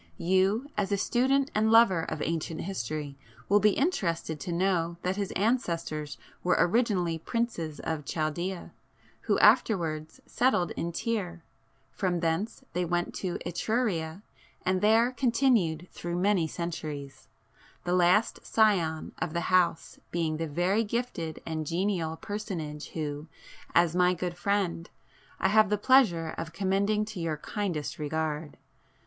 You, as a student and lover of ancient history, will be interested to know that his ancestors were originally princes of Chaldea, who afterwards settled in Tyre,—from thence they went to Etruria and there continued through many centuries, the last scion of the house being the very gifted and genial personage who, as my good friend, I have the pleasure of commending to your kindest regard.